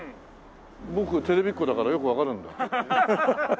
僕テレビっ子だからよくわかるんだよ。